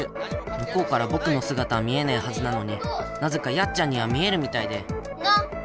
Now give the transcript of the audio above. むこうからぼくの姿は見えないはずなのになぜかやっちゃんには見えるみたいでなっ？